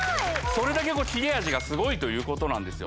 それだけ切れ味がすごいということなんですよ